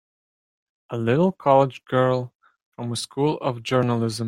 A little college girl from a School of Journalism!